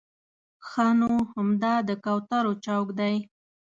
ښه نو همدا د کوترو چوک دی.